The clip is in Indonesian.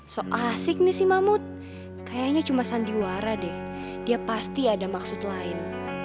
so asik nih si mahmud kayaknya cuma sandiwara deh dia pasti ada maksud lain